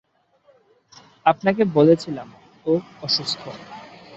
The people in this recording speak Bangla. আপনাকে বলেছিলাম ও অসুস্থ।